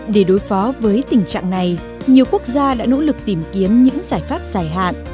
để đối phó với tình trạng này nhiều quốc gia đã nỗ lực tìm kiếm những giải pháp dài hạn